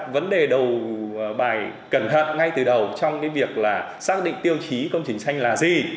vấn đề đầu bài cẩn thận ngay từ đầu trong cái việc là xác định tiêu chí công trình xanh là gì